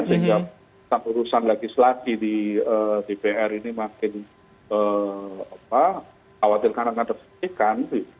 sehingga satu urusan lagi selagi di dpr ini makin khawatir karena gak terpisah kan